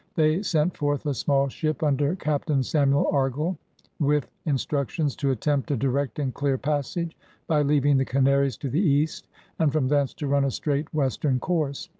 They sent forth a small ship under Captain Samuel Argall, with instructions ''to attempt a direct and deare passage, by leav ing the Canaries to the East, and from thence to run a straight westeme course.